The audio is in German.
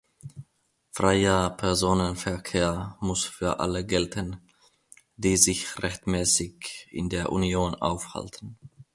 Freier Personenverkehr muss für alle gelten, die sich rechtmäßig in der Union aufhalten.